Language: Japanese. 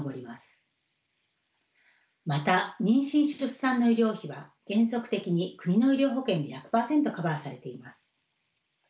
また妊娠出産の医療費は原則的に国の医療保険で１００％カバーされています。